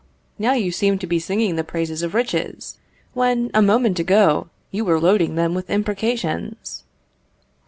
now you seem to be singing the praises of riches, when, a moment ago, you were loading them with imprecations!